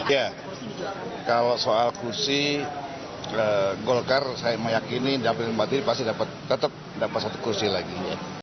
ya kalau soal kursi golkar saya meyakini dapat diri pasti tetap dapat satu kursi lagi